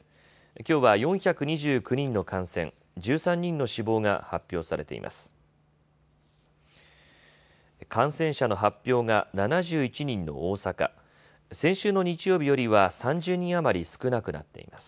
きょうは４２９人の感染、１３人の死亡が発表されています。